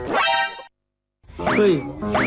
ว้าว